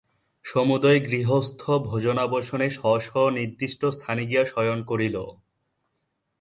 সমুদয় গৃহস্থ ভোজনাবসানে স্ব স্ব নির্দিষ্ট স্থানে গিয়া শয়ন করিল।